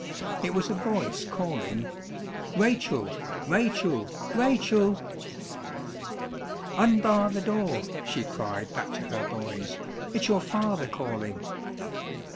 It was a voice calling, "Rachel! Rachel! Rachel!" "Unbar the door!" she cried back to her boys; "it's your father calling!"